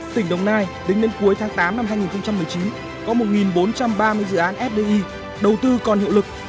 tỉnh đồng nai tính đến cuối tháng tám năm hai nghìn một mươi chín có một bốn trăm ba mươi dự án fdi đầu tư còn hiệu lực